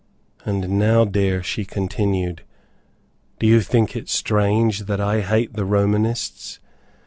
"And now, dear," she continued, "do you think it strange that I hate the Romanists?